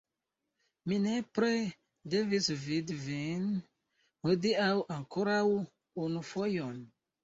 Mi nepre devis vidi vin hodiaŭ ankoraŭ unu fojon.